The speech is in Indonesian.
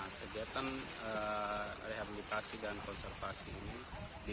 kegiatan rehabilitasi dan konservasi ini